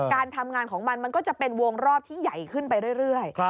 การทำงานของมันมันก็จะเป็นวงรอบที่ใหญ่ขึ้นไปเรื่อย